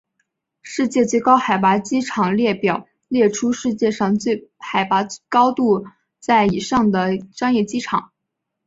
世界最高海拔机场列表列出世界上海拔高度在及以上的商业机场。